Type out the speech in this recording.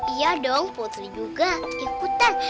iya dong putri juga ikutan